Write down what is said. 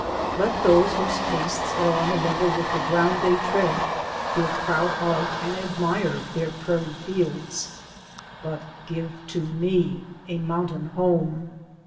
Let those whose tastes are on a level with the ground they tread feel proud of and ad mire their prairie fields, but give to me a mountain home.